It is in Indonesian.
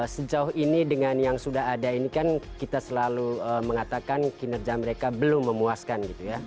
sejauh ini dengan yang sudah ada ini kan kita selalu mengatakan kinerja mereka belum memuaskan gitu ya